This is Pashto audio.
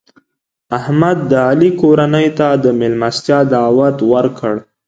احمد د علي کورنۍ ته د مېلمستیا دعوت ورکړ.